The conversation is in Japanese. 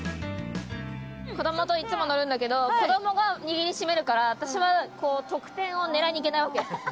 子供といつも乗るんだけど子供が握りしめるから私は得点を狙いに行けないわけ。